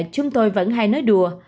chúng tôi vẫn hay nói đùa